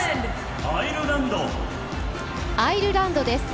アイルランドです。